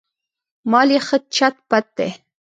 مال یې ښه چت پت دی.